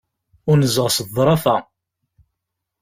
Unzeɣ s ḍḍrafa.